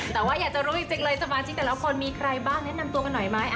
แต่ว่าอยากจะรู้จริงเลยสมาชิกแต่ละคนมีใครบ้างแนะนำตัวกันหน่อยไหม